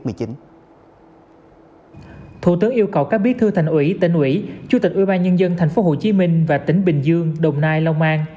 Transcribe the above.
thủ tướng yêu cầu các biết thư thành ủy tỉnh ủy chủ tịch ủy ban nhân dân tp hcm và tỉnh bình dương đồng nai lòng an